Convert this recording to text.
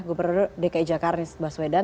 gubernur dki jakarta anies baswedan